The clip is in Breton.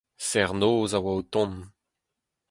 Serr-noz a oa o tont.